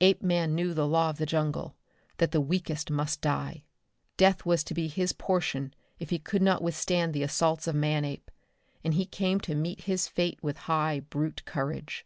Apeman knew the law of the jungle, that the weakest must die. Death was to be his portion if he could not withstand the assaults of Manape, and he came to meet his fate with high brute courage.